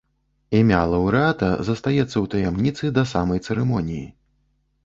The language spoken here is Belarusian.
Імя лаўрэата застаецца ў таямніцы да самай цырымоніі.